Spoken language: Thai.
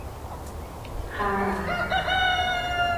คาร์มาร์ท